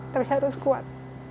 tapi harus kuat